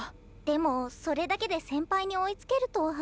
でもそれだけで先輩に追いつけるとは。